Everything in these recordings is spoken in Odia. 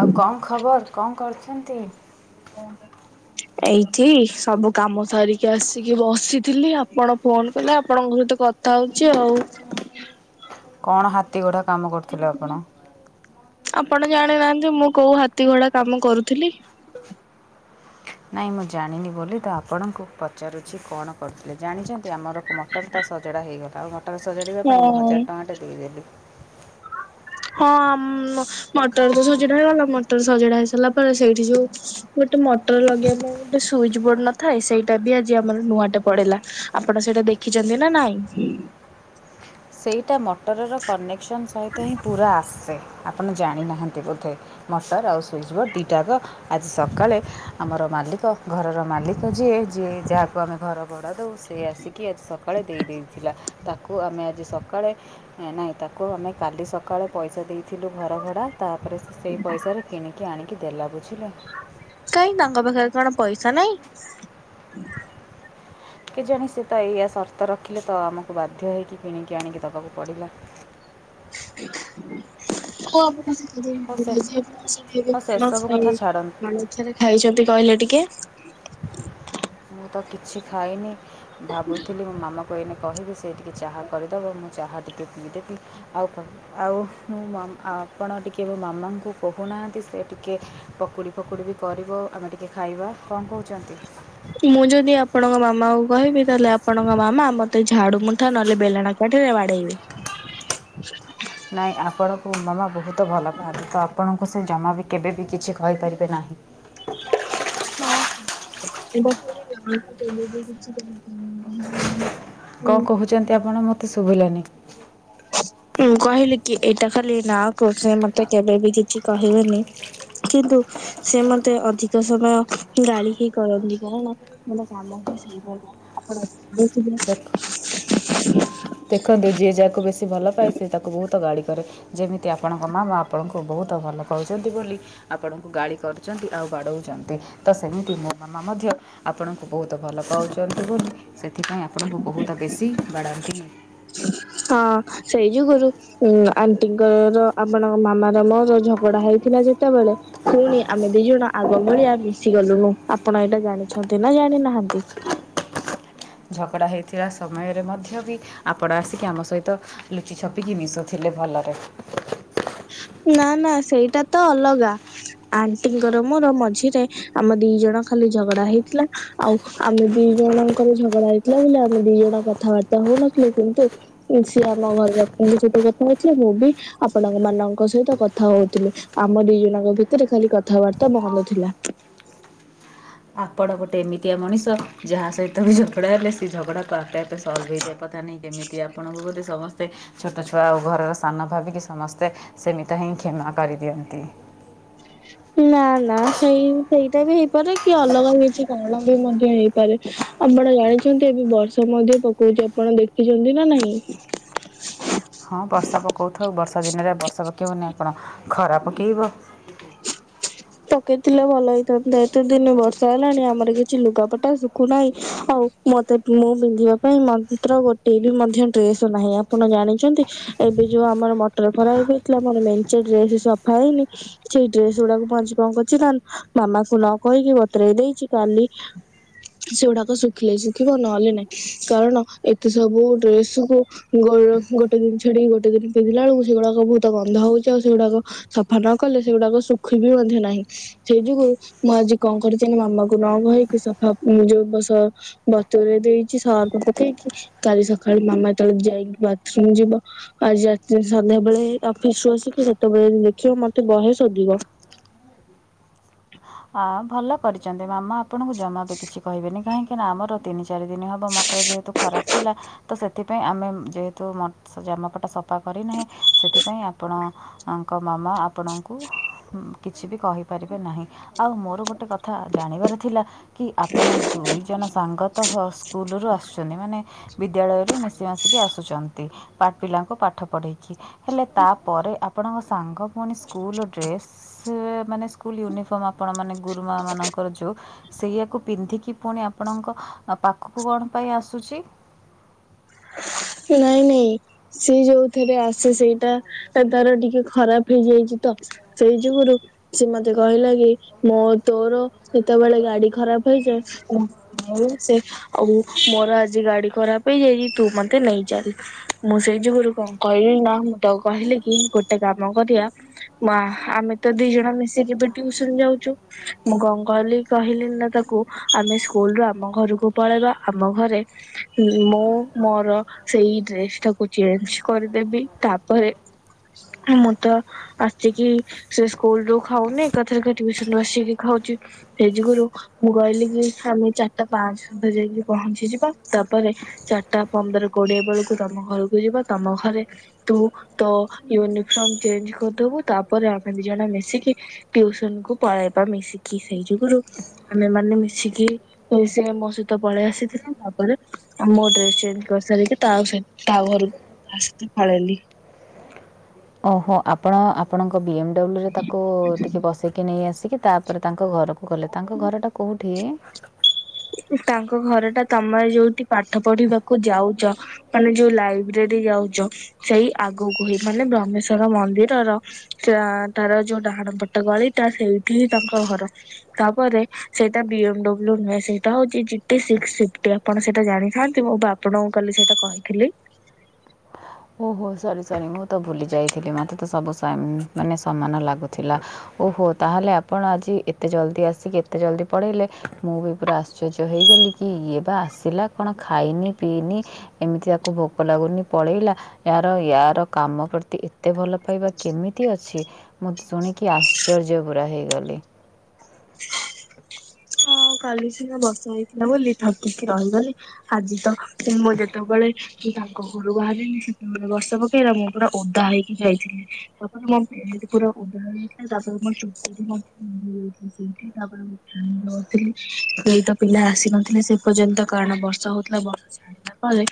ଆଉ କଣ ଖବର କଣ କରଛନ୍ତି? [unintelligible] ଏଇଠି ସବୁ କାମ ସରିକି ଆସିକି ବସିଥିଲି ଆପଣ ଫୋନ କଲେ ଆପଣଙ୍କ [unintelligible] କଥା ହଉଛି ଆଉ କଣ ହାତୀଘୋଡ଼ା କାମ କରୁଥିଲେ ଆପଣ? ଆପଣ ଜାଣିନାହାନ୍ତି ମୁଁ କୋଉ ହାତୀ ଘୋଡା କାମ କରୁଥିଲି ନାଇଁ ମୁଁ ଜାଣିନି ବୋଲି ତ ଆପଣଙ୍କୁ ପଚାରୁଛି କଣ କରୁଥିଲେ ଜାଣିଛନ୍ତି ଆମର ମଟରଟା ସଜଡ଼ା ହେଇଗଲା ଆଉ ମଟର ସଜାଡ଼ିବା ପାଇଁ ମୁଁ ହଁ ହଜାର ଟଙ୍କାଟେ ଦେଇଦେଲି ହଁ ମଟର ତ ସଜଡା ହେଇଗଲା ମଟର ସଜଡା ହେଇ ସାରିଲା ପରେ ସେଇଠି ଯୋଉ ଗୋଟେ ମଟର ଲଗେଇବା ପାଇଁ ଗୋଟେ ସୁଇଚ ବୋର୍ଡ ନଥାଏ ସେଇଟା ବି ଆଜି ଆମର ନୂଆଟେ ପଡିଲା ଆପଣ ସେଇଟା ଦେଖିଛନ୍ତି ନା ନାଇଁ? ଏଇଟା ମୋଟରର କନେକ୍ସନ୍ ସହିତ ହିଁ ପୁରା ଆସେ ଆପଣ ଜାଣିନାହାନ୍ତି ବୋଧେ ମଟର ଆଉ ସୁଇଜ୍ ବୋର୍ଡ଼ ଦୁଇଟାକ ଆଜି ସକାଳେ ଆମର ମାଲିକ ଘରର ମାଲିକ ଯିଏ ଯିଏ ଯାହାକୁ ଆମେ ଘର ଭଡ଼ା ଦେଉ ସେ ଆସିକି ଆଜି ସକାଳେ ଦେଇ ଦେଇଥିଲା ତାକୁ ଆମେ ଆ ସକାଳେ ନାହିଁ ତାକୁ ଆମେ କାଲି ସକା ସକାଳେ ପଇସା ଦେଇଥିଲୁ ଘର ଭଡ଼ା ତାପରେ ସେ ସେଇ ପଇସାରେ କିଣିକି ଆଣିକି ଦେଲା ବୁଝିଲ କାଇଁ ତାଙ୍କ ପାଖରେ କଣ ପଇସା ନାଇଁ କେଜାଣି ସେ ତ ଏଇଆ ସର୍ତ୍ତ ରଖିଲେ ତ ଆମକୁ ବାଧ୍ୟ ହୋଇଇକି କିଣିକି ଆଣିକି ଦେବାକୁ ପଡ଼ିଲା [unintelligible] ଆପଣ ହଉ ସେ ହଉ ସେସବୁ କଥା ଛାଡ଼ନ୍ତୁ [unintelligible] ଖାଇଛନ୍ତି କହିଲେ ଟିକେ [unintelligible] ମୁଁ ତ କିଛି ଖାଇନି ଭାବୁଥିଲି ମୋ ମାମା କୁ ଏଇନେ କହିବି ସେ ଟିକେ ଚାହା କରିଦେବ ମୁଁ ଚାହା ଟିକେ ପିଇଦେବି ଆଉ ଆଉ ମୁଁ ଆପଣ ଟିକିଏ ମୋ ମାମାଙ୍କୁ କହୁନା ସେ ଟିକେ ପକୁଡ଼ି ଫକୁଡ଼ି ବି କରିବ ଆମେ ଟିକେ ଖାଇବା କଣ କହୁଛନ୍ତି ମୁଁ ଯଦି ଆପଣଙ୍କ ମାମାଙ୍କୁ କହିବି ତାହେଲେ ଆପଣଙ୍କ ମାମା ମୋତେ ଝାଡୁ ମୁଠା ନହେଲେ ବେଲଣା କାଠିରେ ବା ବାଡେଇବେ ନାଇଁ ଆପଣଙ୍କୁ ମାମା ବହୁତ ଭଲ ପାଆନ୍ତି ତ ଆପଣଙ୍କୁ ସେ ଜମା ବି କେବେ ବି କିଛି କହିପାରିବେ ନାହିଁ ହଁ [unintelligible] କଣ କହୁଛନ୍ତି ଆପଣ ମୋତେ ଶୁଭିଲାନି ମୁଁ କହିଲିକି ଏଇଟା ଖାଲି ନା କରୁଛ ମୋତେ କେବେ ବି କିଛି କହିବେନି କିନ୍ତୁ ସେ ମୋତେ ଅଧିକ ସମୟ ଗାଳିି ହିଁ କରନ୍ତି କାହିଁକିନା କାମ ସେଇ ଦେଖ [unintelligible] ଦେଖନ୍ତୁ ଯିଏ ଯାହାକୁ ବେଶୀ ଭଲ ପାଏ ସେ ତାକୁ ବହୁତ ଗାଳି କରେ ଯେମିତି ଆପଣଙ୍କ ମାମା ଆପଣଙ୍କୁ ବହୁ ବହୁତ ଭଲ ପାଉଛନ୍ତି ବୋଲି ଆପଣଙ୍କୁ ଗାଳି କରୁଛନ୍ତି ଆଉ ବାଡ଼ଉଛନ୍ତି ତ ସେମିତି ମୋ ମାମା ମୋ ମଧ୍ୟ ଆପଣଙ୍କୁ ବହୁତ ଭଲ ପାଉଛନ୍ତି ବୋଲି ସେଥିପାଇଁ ଆପଣଙ୍କୁ ବହୁତ ବେଶୀ ବାଡ଼ାନ୍ତି [unintelligible] ହଁ ସେଇ ଯୁଗରୁ ଉ ଆଣ୍ଟିଙ୍କର ଆପଣଙ୍କ ମାମାର ମୋର ଝଗଡା ହେଇଥିଲା ଯେ ଯେତେବେଳେ ପୁଣି ଆମେ ଦି ଜଣ ଆଗ ଭଳିଆ ମିଶି ଗଲୁନୁ ଆପଣ ଏଇଟା ଜାଣିଛନ୍ତି ନା ଜାଣିନାହା ଦୀପ ପକଡ଼ା ହୋଇଥିବା ସମୟରେ ମଧ୍ୟ ବି ଆପଣ ଆସିକି ଆମ ସହିତ ଲୁଚି ଛପିକି ମିଶୁଥିଲେ ଭଲରେ [unintelligible] ନା ନା ସେଇଟା ତ ଅଲଗା ଆଣ୍ଟିଙ୍କର ମୋର ମଝିରେ ଆମ ଦି ଜଣ ଖା ଝଗଡା ହେଇଥିଲା ଆଉ ଆମେ ଦି ଜଣଙ୍କର ଝଗଡା ହେଇଥିଲା ବୋଲି ଆମେ ଦି ଜଣ କଥାବାର୍ତ୍ତା ହଉ [unintelligible] କିନ୍ତୁ ସିଏ ଆମ ଘର ଲୋକଙ୍କ ସହିତ କଥା ଅଛି ମୁଁ ବି ଆପଣଙ୍କ ସାଙ୍ଗ ମାନଙ୍କ ସହିତ କଥା ହଉଥିଲି ଆମ ଦି ଜଣଙ୍କ ଭିତରେ ଖାଲି କଥାବାର୍ତ୍ତା ବନ୍ଦ ଥିଲା [inaudible] ଆପଣ ଗୋଟେ ଏମିତିଆ ମଣିଷ ଯାହା ସହିତ ବି ଝଗଡ଼ା ହେଲେ ସେ ଝଗଡ଼ା ଆପେ ଆପେ ସଲଭ ହେଇଥାଏ କଥା ନାହିଁ କେମିତି ଆପଣଙ୍କୁ ସମସ୍ତେ ଛୋଟ ଛୁଆ ଆଉ ଘରର ସାନ ଭାବିକି ସମସ୍ତେ ସେମିତି ହିଁ କ୍ଷମା କରିଦିଅନ୍ତି। [inaudible] ନା ନା ସେଇ ସେଇଟା ବି ହେଇପାରେ କି ଅଲଗା କିଛି କାରଣ ବି ମଧ୍ୟ ହେଇପାରେ। ଆପଣ ଜାଣିଛନ୍ତି ଏବେ ବର୍ଷ ମଧ୍ୟ ପକଉଛି ଆପଣ ଦେଖିଛନ୍ତି ନା ନାହିଁ? ହଁ ବର୍ଷା ପକଉଥାଉ ବର୍ଷା ଦିନରେ ବର୍ଷା ପକେଇବନି ଆପଣ ଖରା ପକେଇବ? ପକେଇଥିଲେ ଭଲ ହେଇଥାନ୍ତା ଏତେ ଦିନେ ବର୍ଷା ହେଲାଣି ଆମର କିଛି କିଛି ଲୁଗାପଟା ଶୁଖୁନାହିଁ ଆଉ ମତେ ମୁଁ ପିନ୍ଧିବା ପାଇଁ ମନ୍ତ୍ର ଗୋଟେ ବି ମଧ୍ୟ ଡ୍ରେସ ନାହିଁ ଆପଣ ଜାଣିଛନ୍ତି? ଏବେ ଯୋଉ ଆମର ମଟର ଖରାପ ହେଇଥିଲା ମୋର ମେଞ୍ଚେ ଡ୍ରେସ ସଫା ହେଇନି। ସେଇ ଡ୍ରେସ ଗୁଡାକୁ ମୁଁ ଆଜି କଣ କରିଚି ନା ମାମାକୁ ନ କହିକି ବତୁରେଇ ଦେଇଛି କାଲି ସେଗୁଡାକ ଶୁଖିଲେ ଶୁଖିବ ନହେଲେ ନାଇଁ କାରଣ ଏତେ ସବୁ ଡ୍ରେସ କୁ ଗୋ ଗୋଟେ ଦିନ ଛାଡିିକି ଗୋଟେ ଦିନି ପିନ୍ଧିଲା ବେଳକୁ ସେଗୁଡାକ ବହୁତ ଗନ୍ଧ ହଉଛି ଆଉ ସେଗୁଡାକ ସଫା ନ କଲେ ସେଗୁଡାକ ସୁଖିବ ବିି ମଧ୍ୟ ନାହିଁ ସେଇ ଯୋଗୁଁ ମୁଁ ଆଜି କଣ କରିଛି ନା ମାମାକୁ ନ କହିକି ହଁ ମୁଁ ଯୋଉ ବସ ବତରରେ ଦେଇଛି ସରକୁ ପକେଇକି କାଲି ସକାଳେ ମାମା ଯେତେବେଳେ ଯାଇ ବାଥରୁମ ଯିବ ଆଜି ରାତିରେ ସନ୍ଧ୍ୟାବେଳେ ଅଫିସରୁ ଆସିକି ସେତେବେଳେ ଦେଖିବ ମତେ ସେ ବହେ ଶୋଦିବ। ଆ ଭଲ କରିଛନ୍ତି ମାମା ଆପଣଙ୍କୁ ଜମା ବି କିଛି କହିବେନି କାହିଁକି ଆମର ତିନି ଚାରି ଦିନ ହେବ ମଟର ଯେହେତୁ ଖରାପ ଥିଲା ତ ସେଥିପାଇଁ ଆମେ ଯେହେତୁ ଜାମକଟା ସଫା କପା କରିନାହିଁ ସେଥିପାଇଁ ଆପଣଙ୍କ ମାମା ଆପଣଙ୍କୁ କିଛି ବି କହିପାରିବେ ନାହିଁ। ଆଉ ମୋର ଗୋଟେ କଥା ଜାଣିବାର ଥିଲା କି ଆପଣ ଦୁଇ ଜଣ ସାଙ୍ଗତ ସ୍କୁଲରୁୁ ଆସୁଛନ୍ତି ମାନେ ବିଦ୍ୟାଳୟରୁ ମିଶି ମାସିକି ଆସୁଛନ୍ତି ପାଠ ପିଲାଙ୍କୁ ପାଠ ପଢ଼ାଇକି ହେଲେ ତାପରେ ଆପଣଙ୍କ ସାଙ୍ଗ ପୁଣି ସ୍କୁଲ୍ ଡ୍ରେସ୍ ମାନେ ସ୍କୁଲ୍ ୟୁନିଫର୍ମ ଆପଣ ମାନେ ଗୁରୁମା ମାନଙ୍କର ଯୋଉ ସେଇଆକୁ ପିନ୍ଧିକି ପୁଣି ଆପଣଙ୍କ ପାଖକୁ କଣ ପାଇଁ ଆସୁଛି? [inaudible] ନାଇଁ ନାଇଁ ସିଏ ଯୋଉଥିରେ ଆସେ ସେଇଟା ତାର ଟିକେ ଖରାପ ହେଇଯାଇଛି ତ ସେଇ ଯଗୁରୁ ସେ ମତେ କହିଲା କି ମୁଁ ତୋର ଯେତେବେଳେ ଗାଡି ଖରାପ ହେ ସେ ଆଉ ମୋର ଆଜି ଗାଡି ଖରାପ ହେଇଯାଇଛି। ତୁ ମତେ ନେଇ ଚାାଲ ମୁଁ ସେଇ ଯୁଗରୁ କଣ କହିଲି ନା ମୁଁ ତକୁ କହିଲି କି ଗୋଟେ କାମ କରି ମା ଆମେ ତ ଦି ଜଣ ମିଶିକି ବିସନ ଯାଉଛୁ ମୁଁ କଣ କହିଲି ତାକୁ ଆମେ ସ୍କୁଲରୁ ଆମ ଘରକୁ ପଳେଇବା ଆମ ଘରେ ମୁଁ ମୋର ସେଇ ଡ୍ରେସ ଟାକୁ ଚେଞ୍ଜ କରିଦେବି ତାପରେ ମୁଁ ତ ଆସିକି ସେ ସ୍କୁଲ ରୁ ଖାଉନି ଏକଥରକେ ଟିଉସନ ରୁ ଆସିକି ଖାଉ ହଉଛି ସେ ଯୁଗରୁ ମୁଁ କହିଲି କି ଆମେ ଚାରିଟା ପାଞ୍ଚ ସୁଦ୍ଧା ଯାଇକି ପହଞ୍ଚିଯିବା ତାପରେ ପରେ ଚା ତା ପନ୍ଦର କୋଡିଏ ବେଳକୁ ତମ ଘରକୁ ଯିବ ତମ ଘରେ ତୁ ତୋ ୟୁନିଫର୍ମ ଚଞଜ କରିଦବୁ ତାପରେ ଆମେ ଦି ଜଣ ମିଶିକି ଟିଉସନ କୁ ପଳେଇବା ମିଶିକି ସେଇ ଯଗୁରୁ ଆମେ ମାନେ ମିଶିକି ସେ ମୋ ସହିତ ପଳେଇ ଆସିଥିଲେ ତାପରେ ଆ ମୋ ଡ୍ରେସ ଚ କରିସାରିକି ତା ତା ଘରକୁ ତା ପଳେଇଲି। ଓହୋ ଆପଣ ଆପଣଙ୍କ ବି ଏମ ଡବ୍ଲ୍ୟୁରେ ତାକୁ ଟିକେ ବସେଇକି ନେଇ ଆସିକି ତାପରେ ତାଙ୍କ ଘରକୁ ଗଲେ ତାଙ୍କ ଘରଟା କେଉଁଠି? ତାଙ୍କ ଘର ଟା ତମେ ଯୋଉଠି ପାଠ ପଢିବାକୁ ଯାଉଛ ମାନେ ଯୋଉ ଲାଇବ୍ରେରୀ ଯାଉ ସେଇ ଆଗକୁ ହିଁ ମାନେ ବ୍ରହ୍ମେଶ୍ୱର ମନ୍ଦିରର ସେ ତାର ଯୋଉ ଡାହାଣ ପଟେ ଟ ଗଳିଟା ସେଇଠି ହିଁ ତାଙ୍କ ଘର ତାପରେ ସେଇଟା ବି ଏମ ଡବ୍ଲୁ ନୁହେଁ ସେଇ ହଉଛି ଚିଟି ଆପଣ ସେଇଟା ଜାଣିଥାନ୍ତି ମୁଁ ବା ଆପଣଙ୍କୁ କାଲି ସେଇଟା କହିଥିଲି। [inaudible] ଓହୋ ସରି ସରି ମୁଁ ତ ଭୁଲି ଯାଇଥିଲି ମ ତେ ସବୁ ମାନେ ସମାନ ଲାଗୁଥିଲା ଓହୋ ତାହେଲେ ଆପଣ ଆଜି ଏତେ ଜଲଦି ଆସି କେତେ ଜଲଦି ପଢେଇଲେ ମୁଁ ବି ପୁରା ଆଶ୍ଚର୍ଯ୍ୟ ହେଇଗଲି କି ଇଏ ବା ଆସିଲା କଣ ଖାଇନି ପିଇ ଏମିତି ତାକୁ ଭୋକ ଲାଗୁନି ପଳେଇଲା ୟାର ୟାର କାମ ପ୍ରତି ଏତେ ଭଲ ପାଇବା କେମିତି ଅଛି ମୁଁ ଶୁଣିକି ଆଶ୍ଚର୍ଯ୍ୟ ପୂଜ ପୁରା ହେଇଗଲି। ହଁ କାଲି ସିନା ବର୍ଷା ହେଇଥିଲା ବୋଲି ଠକିକି ରହିଗଲି ଆଜି ତ ମୁଁ ଯେତେବେଳେ କି ତାଙ୍କ ଘରୁ ବାହାରିଲି ସେତେବେଳେ ବର୍ଷ ପକେଇଲା ମୁଁ ପୁରା ଓଦା ହେକ ଯାଇଥିଲି ତାପରେ ମୁଁ ସେି ପୁରା ଓଦାଳାଇଥିଲା ତାପରେ ଆ ଚ ମଧ୍ୟ ମଯାଇଥିଲା ସେଇଠି ତାପରେ କେହି ତ ପିଲା ଆସିନଥିଲେ ସେ ପର୍ଯ୍ୟନ୍ତ କାରଣ ବର୍ଷା ହଉଥିଲା ବର୍ଷ ଛାଡିଲା ପରେ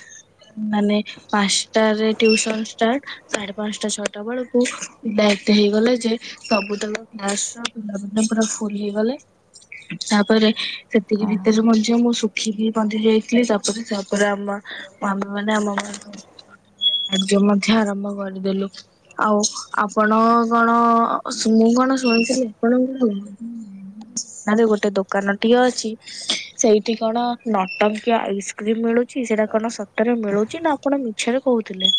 ମାନେ ପାଞ୍ଚଟାରେ ଟ୍ୟୁସନ ାର୍ଟ ସାଢେ ପାଞ୍ଚଟା ଛଅଟା ବେଳକୁ ଏତ ହେଇଗଲେ ଯେ ସବୁ ତାଙ୍କ କ୍ଲାସ ର ପିଲାମାନେ ପୁରା ଫୁଲ ହେଇଗଲେ ତାପରେ ସେତିକି ଭିତରେ ମଧ୍ୟ ମୁଁ ଶୁଖିକି ବନ୍ଧି ଯାଇଥିଲି ତାପରେ ତାପରେ ଆମ ଆମେ ମାନେ ଆମ ମ କାର୍ଯ୍ୟ ମଧ୍ୟ ଆରମ୍ଭ କରିଦେଲୁ ଆଉ ଆପଣ କଣ ଶନ ମୁଁ କଣ ଶୁଣଥିଲି ଆପଣଙ୍କୁ ଗୋଟେ ଦୋକାନ ଟି ଅଛି ସେଇଠି କଣ ନଟଙ୍କିଆ ଆଇସ୍କ୍ରିମ ମିଳୁଛି ସେଟା କଣ ଟରେ ମିଳୁଛି ନା ଆପଣ ମିଛରେ କହୁଥିଲେ?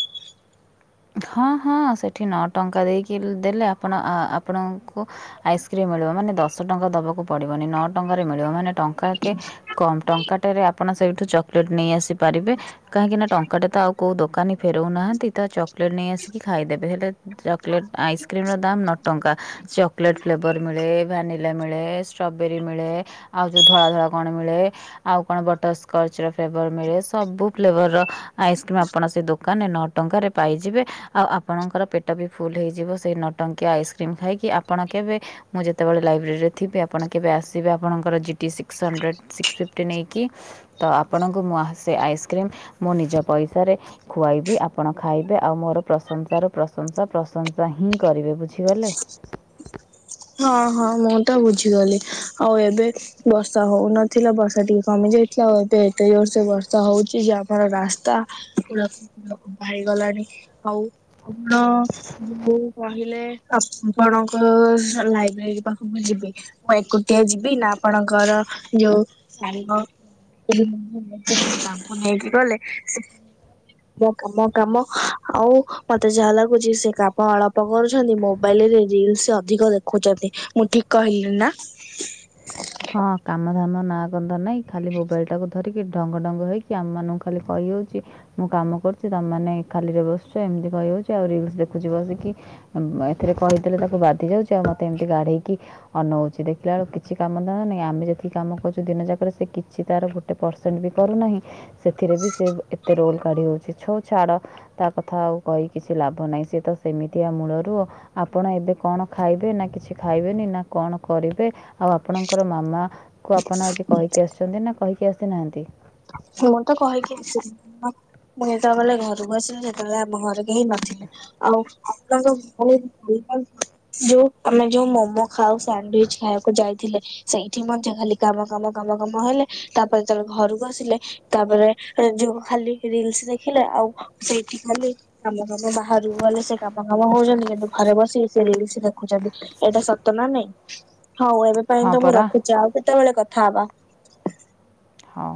ହଁ ହଁ ସେଠି ନଅ ଟଙ୍କା ଦେଇକି ଦେଲେ ଆପଣ ଆପଣଙ୍କୁ ଆଇସ୍କ୍ରିମ୍ ମିଳିବ। ମାନେ ଦଶ ଟଙ୍କା ଦବାକୁ ପଡିବନି ନଅ ଟଙ୍କାରେ ମିଳିବ ମାନେ ଟଙ୍କାକେ କମ୍ ଟଙ୍କାଟାରେ ଆପଣ ସେଇଠୁ ଚକୋଲେଟ୍ ନେଇ ଆସିବେ। ପାରିବେ କାହିଁକି ନା ଟଙ୍କାଟା ତ ଆଉ କଉ ଦୋକାନୀ ଫେରଉନାହାନ୍ତି ତ ଚକୋଲେଟ୍ ନେଇ ଆସିକି ଖାଇଦେବେ ହେଲେ ଚକଲେଟ ଆଇସ୍କ୍ରିମ ର ଦାାମ ନ ଟଙ୍କା ଚକୋଲେଟ୍ ଫ୍ଲେଭର ମିଳେ ଭାନ ମିଳେ୍ରବେରୀ ମିଳେ ଆଉ ଯଉ ଧଳା ଧଳା କଣ ମିଳେ ଆଉ କଣ ବଟର ସ୍ଚ ର ମିଳେ ସବୁ ଫ୍ଲେଭର ର ଆଇସ୍କ୍ରିମ ଆପଣ ସେ ଦୋକାନରେ ନଅ ଟଙ୍କାରେ ପାଇଯିବେ ଆଉ ଆପଣଙ୍କର ପେଟ ବି ଫୁଲ ହୋଇଇଯିବ ସେଇ ନଟଙ୍କିଆ ଆଇସ୍କ୍ରିମ୍ ଖାଇକି ଆପଣ କେବେ ମୁଁ ଯେତେବେଳେ ଲାଇବ୍ରେରୀରେ ଥିବି ଆପଣ କେବେ ଆସିବେ ଆପଣଙ୍କର G T six hundred six fifty ନେଇକି ତ ଆପଣଙ୍କୁ ମୁଁ ସେ ଆଇସ୍କ୍ରିମ୍ ମୁଁ ନିଜ ପଇସାରେ ଖୁଆଇବି ଆପଣ ଖାଇବେ ଆଉ ମୋର ପ୍ରଶଂସାରୁ ପ୍ରଶଂସା ପ୍ରଶଂସା ହିଁ କରିବେ ବୁଝିଗଲେ। [inaudible] ହଁ ହଁ ମୁଁ ତ ବୁଝିଗଲି ଆଉ ଏବେ ବର୍ଷା ହଉନଥିଲା ବର୍ଷା ଟିକେ କମି ଯାଇଥିଲା ଆଉ ଏବେ ଏ ସେ ବର୍ଷା ହଉଛି ଯେ ଆମର ରାସ୍ତାୁଡାକ ବାହାରିଗଲାଣି ଆଉ ଆପଣ ଯୋଉ କହିଲେ ଆପଣଙ୍କ ଲାଇବ୍ରେରୀ ପାଖକୁ ଯିବି ମୁଁ ଏକୁଟିଆ ଯିବି ନା ଆପଣଙ୍କର ଯୋଉ ସାଙ୍ଗ ନେଇକି ଗଲେ ସେ ମ କାମ କାମ ଆଉ ମତେ ଯାହା ଲାଗୁଛି ସେ କାମ ଅଳପ କରୁଛନ୍ତି ମୋବାଇଲ ରସ ଅଧିକ ଦେଖୁଛନ୍ତି ମୁଁ ଠିକ କହିଲି ନା? ହଁ କାମଧାମ ନାଁ କଧ ନାଇଁ ଖାଲି ମୋବାଇଲ ଟାକୁ ଧରିକି ଟ ଢଙ୍ଗ ଢଙ୍ଗ ହେଇକି ଆମ ମାନଙ୍କୁ ଖାଲି କହିହଉଛି ମୁଁ କାମ କରୁଛି ତମମାନେେ ଖାଲିରେ ବସଛ ଏମିତି ଯାଉଛି ଆଉ ରିଲସ ଦେଖୁଛି ବସିକି ଏଥିରେ କହିଦେଲେ ତାକୁ ବାଧ ଯାଉଛି ଆଉ ମତେ ଏମିତି ଗାଢେଇକି ଅନଉଛି ଦେଖିଲା ବଳୁ କିଛି କାମ ଁ ଆମେ ଯେତିକି କାମ କରୁଛୁ ଦିନ ଯାକରେ ସେ କିଛି ତାର ଗୋଟେ ପରସେଣ୍ଟ ବି କରୁନାହିଁ ସେଥିରେ ବି ଏତେ ରୋଲ କାଢି ହଉଛି ଛୋ ଛାଡ ତା କଥା ଆଉ କହି କିଛି ଲାଭ ନାହିଁ ସ ତ ସେମିତି ଆ। ଆପଣ ଏବେ କଣ ଖାଇବେ ନା କିଛି ଖାଇବେନି ନା କଣ କରିବେ ଆଉ ଆପଣଙ୍କର ମାମା କୁ ଆପଣ ଆଜି କହିକି ଆସିଛନ୍ତି ନା କହିକି ଆସିନାହାନ୍ତି? ମୁଁ ତ କହିକି ଆସିି ମୁଁ ଯେତେବେଳେ ଘରକୁ ଆସିଲି ସେତେବେଳେ ଆମ ଘରେ କେହି ନଥିଲେ ଆଉ ଆପ ଘ ଯୋଉ ଆମେ ଯୋଉ ମୋମୋ ଖାଉ ସାଣ୍ଡିଚ ଖାଇବାକୁ ଯାଇ ଥିଲେ ସେଇଠି ମଧ୍ୟ ଖାଲି କାମ କାମ କାମ କାମ ହେଲେ ତାପରେ ତବେଳେ ଘରକୁ ଆସିଲେ ତାପରେ ଯୋଉ ଖାଲି ରିଲସ ଦେଖିଲେ ଆଉ ସେଇଠି ଖାଲି ଆମ ମ ବା ଗଲେ ସେ କାମ କାମ ହଉଛନ୍ତି କିନ୍ତୁ ଘରେ ବସିକି ସେ ରିଲସ ଦେଖୁଛନ୍ତି ଏଇଟା ସତ ନା ନାଇଁ? ହଉ ଏବେ ପାଇଁ ହଁ ତ ମୁଁ ପରା ରଖୁଛି ଆଉ କେତେବେଳେ କଥା ହବା। ହଁ।